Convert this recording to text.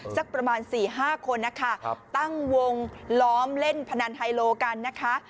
สักประมาณ๔๕คนนะคะตั้งวงล้อมเล่นพนันไฮโลกันนะคะ